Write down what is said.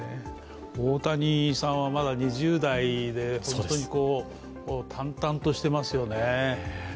大谷さんはまだ２０代で本当に淡々としてますよね。